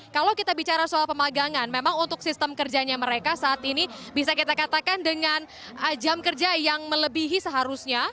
kalau kita bicara soal pemagangan memang untuk sistem kerjanya mereka saat ini bisa kita katakan dengan jam kerja yang melebihi seharusnya